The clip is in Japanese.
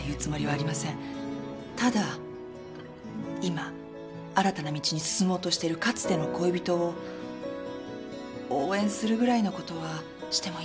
ただ今新たな道に進もうとしてるかつての恋人を応援するぐらいのことはしてもいいんじゃないでしょうか？